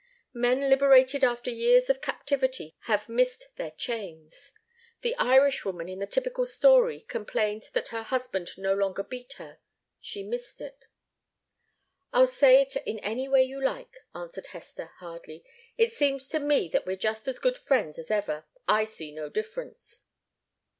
Men liberated after years of captivity have missed their chains. The Irish woman in the typical story complained that her husband no longer beat her. She missed it. "I'll say it in any way you like," answered Hester, hardly. "It seems to me that we're just as good friends as ever. I see no difference."